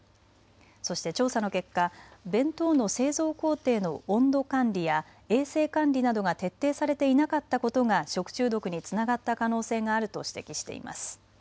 そして調査の結果、弁当の製造工程の温度管理や衛生管理などが徹底されていなかったことが食中毒につながった可能性があると指摘しています。